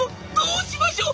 うしましょう！」。